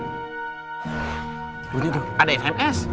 ada itu ada sms